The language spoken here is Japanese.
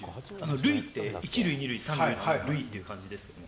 塁って、１塁、２塁、３塁の塁っていう漢字ですよね。